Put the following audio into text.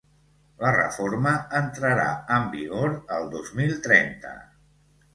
La reforma entrarà en vigor el dos mil trenta.